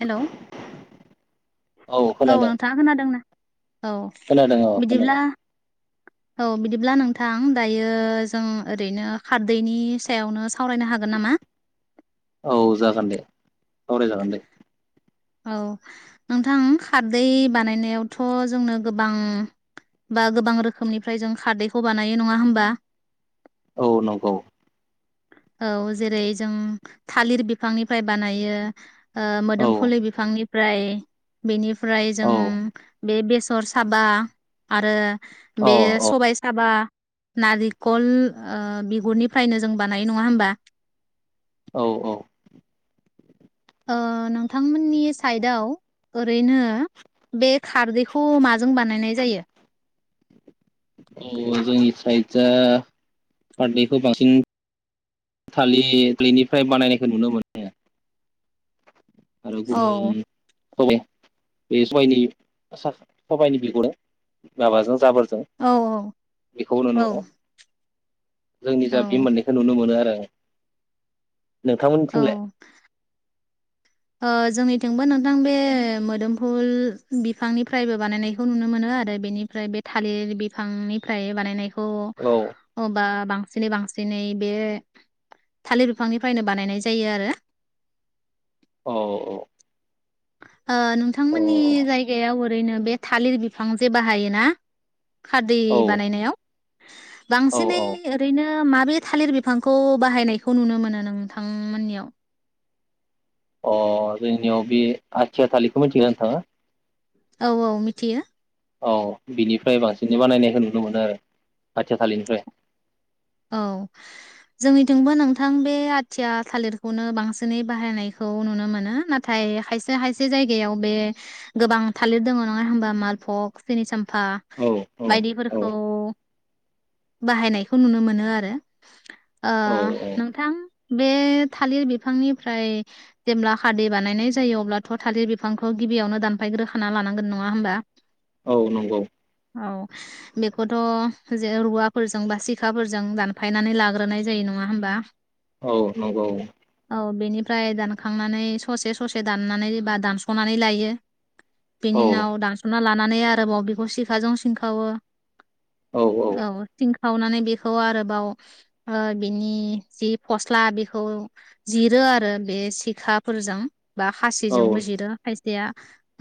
Hello औ नोंथाङा खोनादोंना औ खोनादों औ बिदिब्ला खोनादों औ बिदिब्ला नोंथां दायो जों ओरैनो खारदैनि सायावनो सावरायनो हागोन नामा? औ जागोन दे सावरायजागोन दे। औ नोंथां खारदै बानायनायावथ' जोंनो गोबां बा गोबां रोखोमनिफ्राय जों खारदैखौ बानायो नङा होमबा? औ नंगौ। औ जेरै जों थालिर बिफांनिफ्राय बानायो। ओ औ मोदोमफुलनि बिफांनि फ्राय बेनि फ्राय जों औ बे - बेसर साबा आरो बे औ सबाय साबा नारिखल ओ बिगुरनिफ्रायनो जों बा नायो नङा होमबा? औ औ। ओ नोंथांमोननि साइदआव ओरैनो बे खारदैखौ माजों बानायनाय जायो? औ जोंनि साइदजा खारदैखौ बांसिन थालिर बेनिफ्राय बानायनायखौ बांसिन नुनो मोनो। आरो औ गुबुन [unintelligible] बे सबायनि सबायनि बिगुरा माबाजों जाबोर जों औ बेखौ नुनो औ मोनो औ जोंनिजा बे औ मोननैखौ नुनो मोनो आरो। औ नोंथांमोननिथिंलाय? ओ जोंनिथिंबो नोंथां बे मोदोमफुल बिफांनिफ्रायबो बानायनायखौ नुनो मोनो आरो बेनिफ्राय बे थालिर बिफांनिफ्राय बानायनाय खौ औ बा बांसिनै बांसिनै बे थालिर बिफांनिफ्रायनो बानायनाय जायो आरो। औ औ। ओ औ नोंथांमोननि जायगायाव ओरैनो बे थालिर बिफां जे बाहायोना खारदै औ बानायनायाव औ बांसिनै औ ओरैनो माबे थालिर बिफांखौ बाहायनायखौ नुनो मोनो नों नोंथांमोननियाव? अ जोंनियाव बे आथिया थालिरखौ मिथिगौना नोंथाङा? औ औ मिथियो। औ बिनिफ्राय बांसिनै बानायनायखौ नुनो मोनो आरो आथिया थिलिरनिफ्राय। औ जोंनिथिंबो नोंथां बे आथिया थालिरखौनो बांसिनै बाहायनायखौ नुनो मोनो नाथाय खायसे खायसे जायगायाव बे गोबां थालिर दङ नङा होनबा मालभक सेनि साम पा औ औ बायदिफोर औ [unintelligible] बाहायनायखौ नुनो मोनो। आरो। ओ औ औ नोंथां बे थालिर बिफांनिफ्राय जेब्ला खारदै बानायनाय जायो अब्लाथ' थालिर बिफांखौ गिबियावनो दानफायग्रोखाना लानांगोन नङा होमबा? औ नंगौ। औ बेखौथ' जों रुवाफोरजों बा सिखाफोरजों जों दानफायनानै लाग्रोनाय जायो नङा होमबा? औ नंगौ। फ्राय दानखांनानै ससे ससे दाननानैबा दानस'नानै लायो औ बेनि उनाव दानस'ना ला नानै आरोबाव बेखौ सिखाजों सिंखावो औ थिं सावनानै बे बेखौ आरोबाव ओ बिनि जि फस्ला बेखौ जिरो आरो बे सिखाफोरजों बा खाासिजोंबो औ जिरो खायसे बेया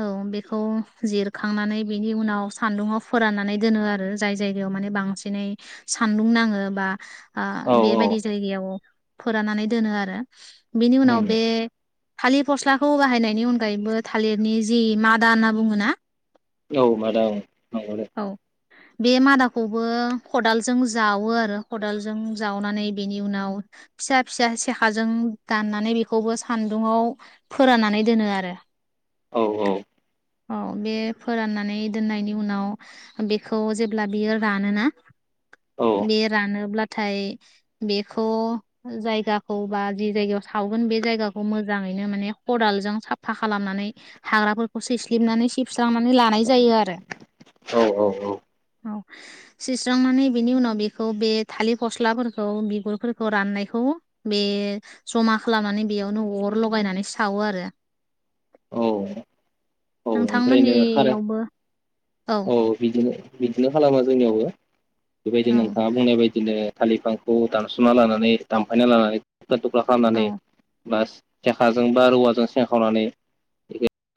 औ बेखौ जिरखांनानै बेनि उनाव सान्दुङाव फोराननानै दोनो आरो जाय जायगायाव माने बांसिनै सा सानदुं नाङो बा आ औ औ बेबायदि जायगायाव फोरानानै दोनो आरो बिनि उनाव उम बे थालिर फस्लाखौ बाहायनायनि अनगायैबो थालिरनि जि मादा होनना बुङो ना औ मादाव [unintelligible] औ बे मादाखौबो खदाल जों जावो आरो खदालजों जावनानै बेनि उनाव फिसा फिसा सेखाजों दाननानै बेखौबो सानदुंङाव फोराननानै दोनो आरो औ औ। औ बे फोराननानै दोननायनि उनाव बेखौ जेब्ला बियो रानोना औ बे रानोब्ला नाथाय बेखौ जायगाखौ बा जि जायगायाव सावगोन बे जायगाखौ मोजाङैनो माने खदालजों साफा खालामनानै हाग्राफोरखौ सैस्लिबनानै सिबस्रांनानै लानाय जायो आरो औ औ औ। औ सि स्रांनानै बेनि उनाव बेखौ बे थालिर फस्लाफोरखौ बिगुरफोरखौ राननायखौ बे जमा खालामनानै बेयावनो अर लगायनानै सावो आरो। औ ओमफ्रायनो खारो नोंथांमोननियावबो औ बिदिनो बिदिनो खालामो जोंनियावबो। बेबायदि औ नोंथाङा बुंनाय बायदिनो थालिफांखौ दानस'ना लानानै दानफायना लानानै थुख्रा थुख्रा औ खालामनानै बा सेखाजों बा रुवाजों सेंखावनानै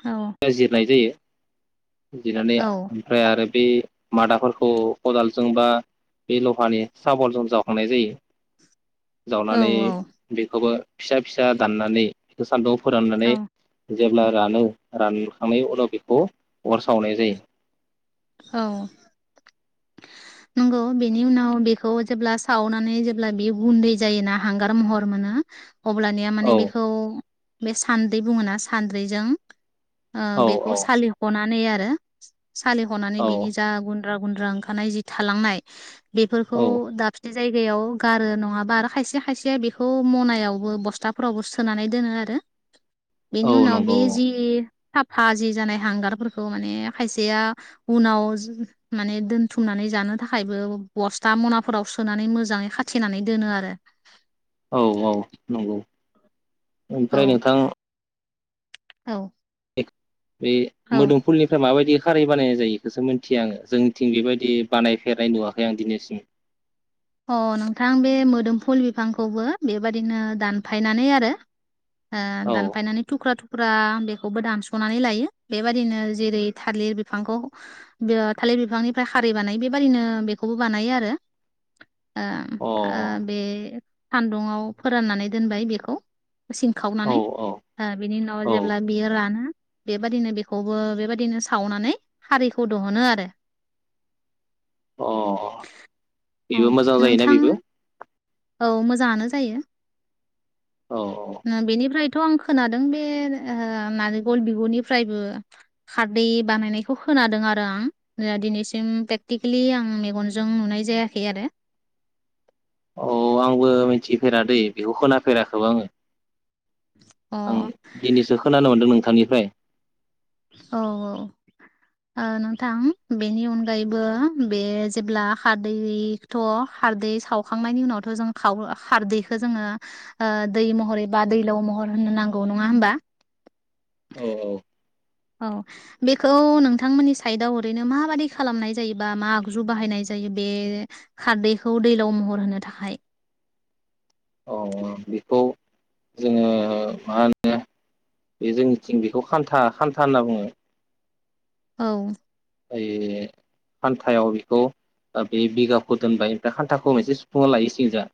औ जिरनाय जायो। जिनानाया औ ओमफ्राय आरो बे मादाफोरखौ खदालजों बा बे लहानि साबलजों जावखांनाय जायो। जावनानै बेखौबो फिसा फिसा दाननानै बेखौ सान्दुङाव औ फोराननानै जेब्ला रानो रानखांनायनि उनाव बेखौ अर सावनाय जायो। औ नंगौ बेनि उनाव बेखौ जेब्ला सावनानै जेब्ला बे गुन्दै जायोना हांगार महर मोनो। अब्लानिया माने औ बेखौ बे सान्दै बुंङोना सानद्रिजों ओ औ बेखौ सालिख'ना [unintelligible] आरो सालि खनानै औ बेनि जा गुन गुनद्रा गुनद्रा ओंखारनाय जि थालांनाय बेफोरखौ औ दा फिथा जायगायाव गारो नंङाबा आरो खायसे खायसे बेखौ मनायावबो बस्थाफोरावबो सोनानै दोनो आरो। बेनि औ उनाव बे नंगौ जि साफा जि जानाय हांगारफोरखौ माने खायसेया उनाव माने दोनथुमनानै जानो थाखायबो बस्था मनाफोराव सोनानै मोजांङै खाथेनानै दोनो आरो। औ औ नंगौ। औ ओमफ्राय नोंथां औ। बे औ मोदोमफुलनिफ्राय माबायदि खारै बानायनाय जायो। खौसो मिथियो आङो जों थिं बेबायदि बानायफेरनाय नुवाखै आं दिनैसिम। अ नोंथां बे मोदोमफुल बिफांखौबो बेबादिनो दानफायनानै आरो ओ औ दानफायनानै थुख्रा थुख् फुरा बेखौबो दानस'नानै लायो। बेबायादिनो जेरै थालिर बिफांखौ थालिर बिफांनिफ्राय खारै बानायो बेबादिनो बेखौबो बानायो आरो। आ अ आ बे सान्दुंआव फोराननानै दोनबाय बेखौ। औ सिंखावनानै औ ओ बिनि उनाव औ जेब्ला बियो रानो बेबादिनो बेखौबो बेबादिनो सावनानै खारैखौ दहनो आरो। अ औ बेबो मोजां जायोना नोंथां बेबो। औ मोजांङानो जायो। औ उम बेनिफ्राय त' आं खोनादों बे ओ नारेंखल बिगुरनिफ्रायबो खारदै बानायनायखौ खोनादों आरो आं दिनैसिम प्रेक्टिकेलि आं मेगनजों नुनाय जाया थियो आरो। खौ मिथिफेराद दै बेखौ खोनाफेराखै आंङो। अ आं दिनिसो खोनानो मोन्दों नों थांनिफ्राय। औ औ ओ नोंथां बेनि अनगायैबो बे जेब्ला खारदैथ' खारदै सावखांनायनि उनावथ' जों खाव खारदैखो जोङो ओ दै महरै एबा दैलाव महर होननो नांगौ नङा होमबा। औ औ। औ बेखौ नोंथांमोननि साइदआव ओरैनो माबादि खालामनाय जायोबा मा आगजु बाहायनाय जायो बे खारदैखौ दैलाव महर होनो थाखाय। औ बेखौ जोङो। मा होनो बे जोंनिथिं बेखौ खान्था खान्था होनना बुङो। औ ओ हान्थायाव बेखौ ओ बे बिगाखौ दोनबाय ओमफाय हान्थाखौ मोनसे सुफुंना लायो सिंजा।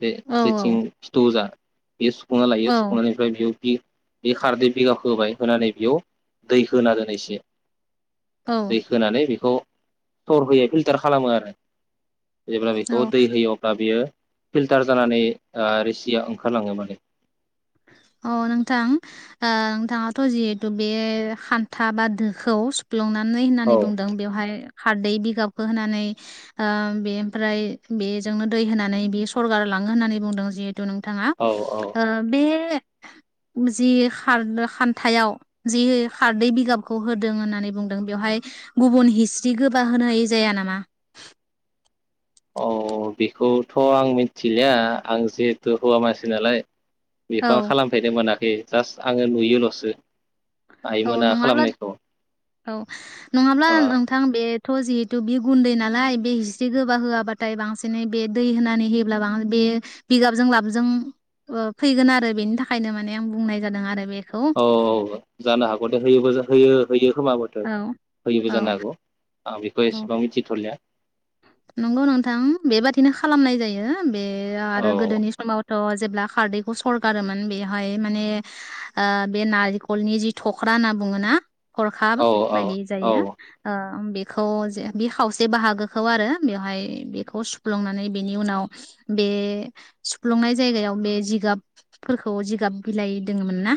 बे औ औ जेथिं फिथौ जा। बेयो सुफुंना लायो औ सुफुंनायनिफ्राय बेयाव। बे-बे खारदै बिगाखो होबाय होनानै बेयाव दै होना दोनो एसे। औ दै होनानै बेखौ। सर होयो फिलटार खालामो आरो। जेब्ला बेखौ औ दै होयो अब्ला बियो। फिल्टार जानानै ओ रोसिया ओंखारलाङो माने अ नोंथां ओ नोंथाङाथ' जिहेथु बे खान्था बा दोखौ सुफ्लंनानै औ होननानै बुंदों बेवहाय खारदै बिगाबखौ होनानै ओ बेमफ्राय बेजोंनो दै होनानै बे सरगार लाङो होननानै बुंदों जि थु नोंथाङा औ ओ। बे जि खार खान्थायाव जि खारदै बिगाबखौ होदों होननानै बुंदों बेवहाय गुबुन हिस्रि गोबा होनाय जाया नामा। औ बेखौथ' आं मिथिलिया आं जिहेथु हौवा मानसि नालाय। औ बेखौ आं खालामफेनो मोनाखै। जास्ट आङो नुयोल'सो। औ आइमोना नङाब्ला खालामनायखौ औ। नङाब्ला औ नोंथां बे। थ' जिहेतु बे गुन्दै नालाय बे हिस्रि गोबा होआबाथाय बांसिनै बे दै होनानै होयोब्ला बां बे बिगाबजों लाबजों ओ फैगोन आरो बेनि थाखायनो माने आं बुंनाय जादों आरो बे। औ ओ जानो हागौ दे होयोबो होयो। होयो। खोमाबोथो औ होयोबो जानो औ हागौ। आं बेखौ औ एसेबां मिथिथ'लिया। नंगौ नोंथां बेबादिनो खालामनाय जायो। बे औ आरो गोदोनि समावथ'। जेब्ला खारदैखौ सरगारोमोन बेहाय माने ओ बे नारिखलनि जि थख्रा होनना बुङोना। हरखाब औ औ बायदि औ जायो ओ बेखौ जे बे खावसे बाहागो खौआरो बेवहाय बेखौ सुफ्लंनानै बेनि उनाव बे सुफ्लंनाय जायगायाव बे जिगाबफोरखौ जिगाब बिलाइ दंङोमोन ना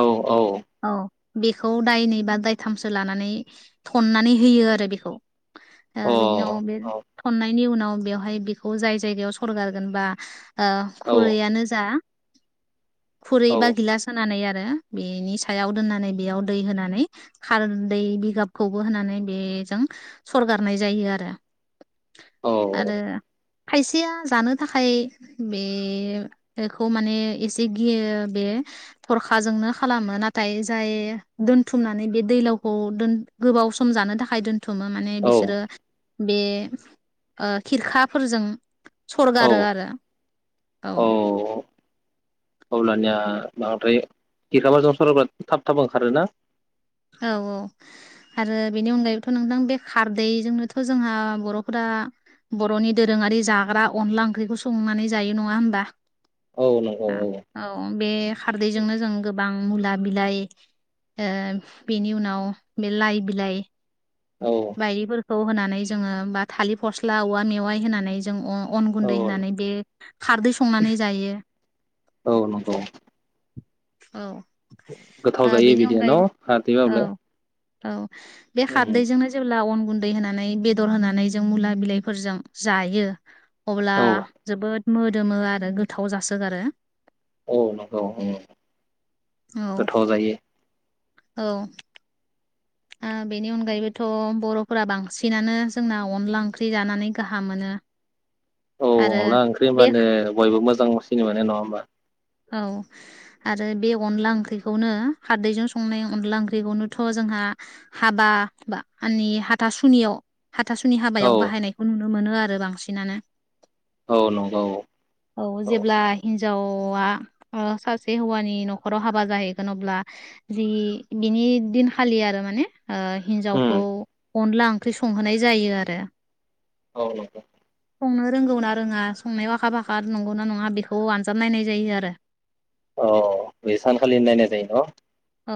औ औ औ बेखौ दायनै बा दायथामसो लानानै थननानै होयो आरो बेखौ औ बिनि उनाव बे थननाय बेनि उनाव बेयावहाय बेखौ जाय जाय सरगारगोन बा ओ औ खुरैयानो जा खुरै बा गिलास होनानै आरो बेनि सायाव दोननानै बेयाव दै होनानै खारदै बिगाबखौबो होनानै बेजों सरगारनाय जायो आरो औ आरो खायसेया जानो थाखाय बे बेखौ माने एसे गियो बे थरखाजोंनो खालामो नाथाय जाय दोनथुमनानै बे दैलावखौ दोन गोबाव सम जानो थाखाय दोन थुमो माने औ बिसोरो बे ओ खिरखाफोरजों औ सरगारो आरो औ अब्लानिया बांद्राय गिखामाजों सरब्रा थाब थाब ओंखारोना औ औ आरो बेनि अनगायैथ' नोंथां बे खारदैजोंनोथ' जोंहा बर'फोरा बर'नि दोरोङारि जाग्रा अनला ओंख्रिखौ संनानै जायो नङा होनबा औ नंगौ औ बे खारदैजोंनो जों गोबां मुला बिलाय ओ बेनि उनाव बे लाइ बिलाइ औ माइदिफोर खौ होनानै जोङो बा थालिर फस्ला औवा मेवाइ होनानै जों अ अन औ गुन्दै होनानै बे खारदै संनानै जायो औ नंगौ औ गोथाव ओ जायो बेनि बिदिया न अनगायैबो खारदैब्लाबो औ औ बे खारदैजोंनो जेब्ला अन गुन दै होनानै बेदर होनानै जों मुला बिलाइफोरजों जायो अब्ला औ जोबोद मोदोमो आरो गोथाव जासोगारो औ नं औ औ गोथाव जायो औ ओ बेनि अनगायैबोथ' बर'फोरा बांसिनानो जोंना अनला ओंख्रि जानानै गाहाम मोनो औ आरो अनदला ओंख्रि बे होनब्लानो बयबो मोजां। मोजां सिनिबान नङा होमबा? औ आरो बे अनला ओंख्रिखौनो हारदैजों संनाय अनला ओंख्रिखौनोथ जोंहा हाबा मानानि हाथा सुनियाव हाथासुनि औ हाबायाव बाहायनायखौ नुनो मोनो आरो। आरो बांसिनानो। औ नंगौ औ औ। हिन्जावा सासे हौवानि नखराव हाबा जाहैगोन अब्ला जि बिनि दिनखालि आरो माने हिन्जावखौ उम अनला ओंख्रि संहोनाय जायो आरो। औ। संनो रोंगौ ना रोङा संनायाव आखा फाखा नंगौ ना नङा बेखौ आनजाद नायनाय जायो आरो। अ बे सानखालि नायनाय जायो न? औ।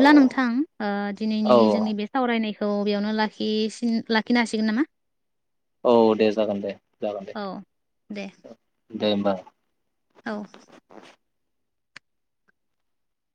औ नोंथां औ दिनैनि जोंनि बे सावरायनायखौ थ बेयावनो लाखि लाखिनो हासिगोन नामा? औ दे जागोन दे जागोन दे। औ दे दे होमबा। औ।